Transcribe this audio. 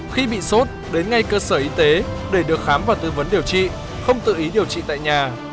khi bị sốt đến ngay cơ sở y tế để được khám và tư vấn điều trị không tự ý điều trị tại nhà